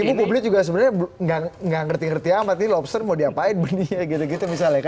tapi publik juga sebenarnya nggak ngerti ngerti amat ini lobster mau diapain dunia gitu gitu misalnya